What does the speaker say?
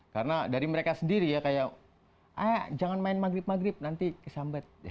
karena dari mereka sendiri ya kayak ayo jangan main maghrib maghrib nanti kesambet